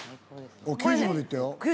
９０までいったよ。